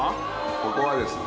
ここはですね